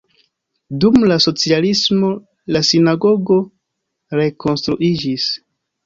Dum la socialismo la sinagogo rekonstruiĝis.